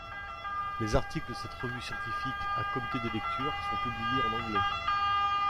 Les articles de cette revue scientifique à comité de lecture sont publiés en anglais.